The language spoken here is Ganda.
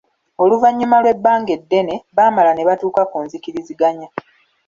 Oluvannyuma lw'ebbanga eddene, baamala ne batuuka ku nzikiriziganya.